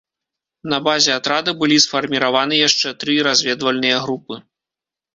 На базе атрада былі сфарміраваны яшчэ тры разведвальныя групы.